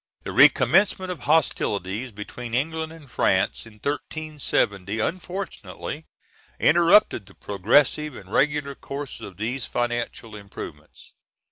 The recommencement of hostilities between England and France in 1370 unfortunately interrupted the progressive and regular course of these financial improvements.